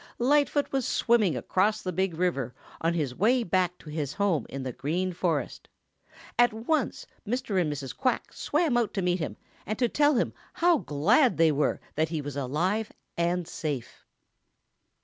Lightfoot was swimming across the Big River on his way back to his home in the Green Forest. At once Mr. and Mrs. Quack swam out to meet him and to tell him how glad they were that he was alive and safe.